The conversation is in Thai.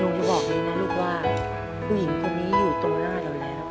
ลูกมาว่าก่อนเนี่ยเหรอลูกว่าผู้หญิงคนนี้อยู่ตรงหน้าเราแล้ว